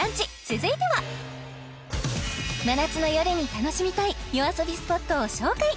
続いては真夏の夜に楽しみたい夜遊びスポットを紹介！